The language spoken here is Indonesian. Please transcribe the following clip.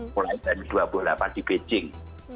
mulai dari dua puluh delapan di beijing